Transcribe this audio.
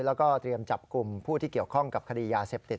แล้วก็เตรียมจับกลุ่มผู้ที่เกี่ยวข้องกับคดียาเสพติด